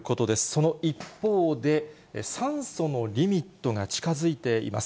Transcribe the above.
その一方で、酸素のリミットが近づいています。